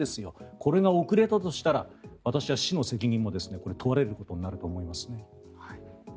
これが遅れたとしたら私は市の責任も問われることになると思いますね。